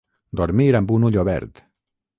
Dormir amb un ull obert.